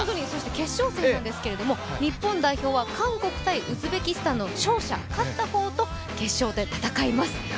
決勝戦なんですけど日本代表は韓国×ウズベキスタンの勝者勝った方と決勝で戦います。